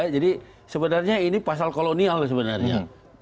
jadi sebenarnya ini pasal kolonial sebenarnya